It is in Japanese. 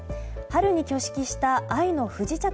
春に挙式した「愛の不時着」